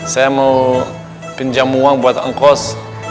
saya mau pinjam uang buat ongkos